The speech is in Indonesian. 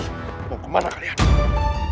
mau kemana kalian